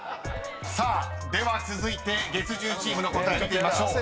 ⁉［では続いて月１０チームの答え見てみましょう］